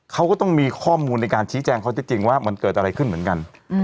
เขาก็ต้องมีข้อมูลในการชี้แจงข้อเท็จจริงว่ามันเกิดอะไรขึ้นเหมือนกัน